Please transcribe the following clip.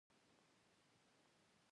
نوې ډلې جوړېږي، چې کوچنۍ او باثباته وي.